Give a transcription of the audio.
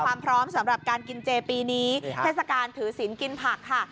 ความพร้อมสำหรับการกินเจปีนี้เทศกาลถือศิลป์กินผักค่ะ